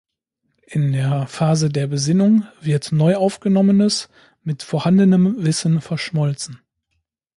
In der Phase der "Besinnung" wird neu Aufgenommenes mit vorhandenem Wissen verschmolzen.